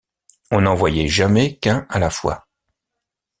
On n’en voyait jamais qu’un à la fois.